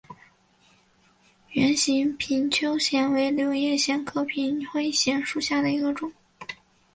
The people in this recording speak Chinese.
圆叶平灰藓为柳叶藓科平灰藓属下的一个种。